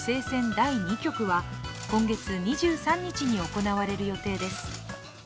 第２局は今月２３日に行われる予定です。